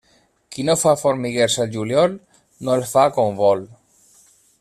Qui no fa formiguers el juliol, no els fa quan vol.